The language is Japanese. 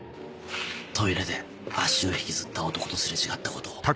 トイレで足を引きずった男と擦れ違ったことを。